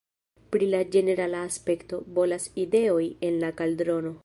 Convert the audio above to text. Pri la ĝenerala aspekto, bolas ideoj en la kaldrono.